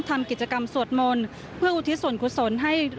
ทำกิจกรรมสวดมนต์เพื่ออุทิศส่วนกุศลให้